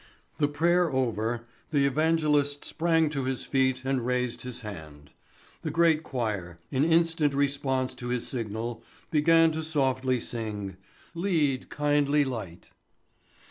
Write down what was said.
The prayer over, the evangelist sprang to his feet and raised his hand. The great choir, in instant response to his signal, began to softly sing, "Lead, Kindly Light."